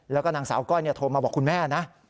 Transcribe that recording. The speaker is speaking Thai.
แล้วก็นางสาวก้อยโทรมาบอกคุณแม่นะ